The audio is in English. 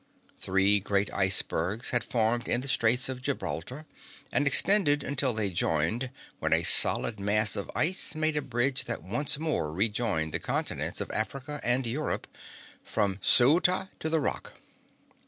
Three great icebergs had formed in the Straits of Gibraltar and extended until they joined, when a solid mass of ice made a bridge that once more rejoined the continents of Africa and Europe, from Ceuta to the Rock.